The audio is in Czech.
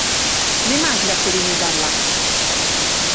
Nemáš rakovinu varlat!